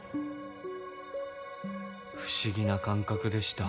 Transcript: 不思議な感覚でした。